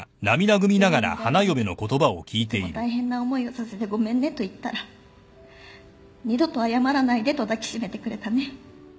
「病院帰りに『いつも大変な思いをさせてごめんね』と言ったら『二度と謝らないで』と抱き締めてくれたね」